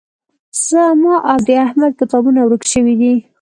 زما او د احمد کتابونه ورک شوي دي